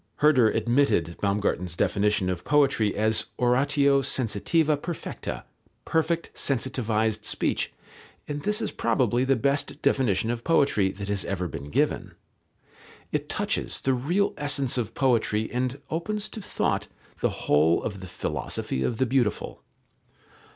Herder admitted Baumgarten's definition of poetry as oratio sensitiva perfecta, perfect sensitived speech, and this is probably the best definition of poetry that has ever been given. It touches the real essence of poetry and opens to thought the whole of the philosophy of the beautiful.